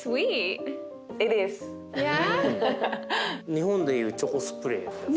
日本で言うチョコスプレーってやつ？